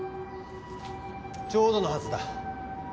ちょうどのはずだ。